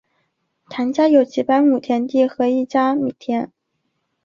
谭家有几百亩田地和一家米店。